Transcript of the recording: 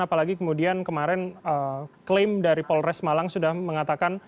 apalagi kemudian kemarin klaim dari polres malang sudah mengatakan